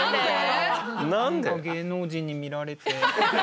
なんか芸能人に見られて。